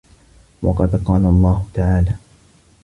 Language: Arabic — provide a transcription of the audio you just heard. وَقَدْ قَالَ اللَّهُ تَعَالَى